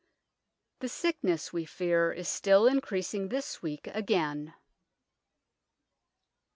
The sicknesse, wee feare, is still increasing this weeke agayne."